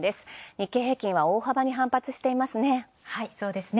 日経平均は大幅に反発していますね。